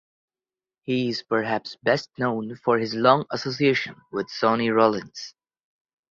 He is perhaps best known for his long association with Sonny Rollins.